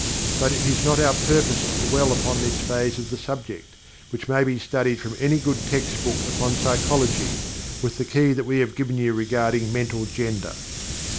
But it is not our purpose to dwell upon this phase of the subject, which may be studied from any good text book upon psychology, with the key that we have given you regarding Mental Gender.